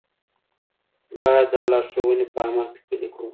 باید دا لارښوونې په عمل کې پلي کړو.